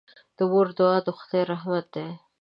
د مور دعا د خدای رحمت دی.